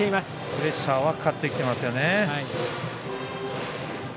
プレッシャーはかかってきていますね。